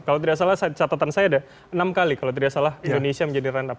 kalau tidak salah catatan saya ada enam kali kalau tidak salah indonesia menjadi run up